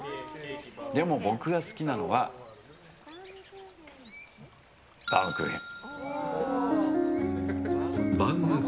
でも僕が好きなのはバウムクーヘン。